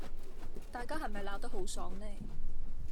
大家係唔係鬧得好爽呢？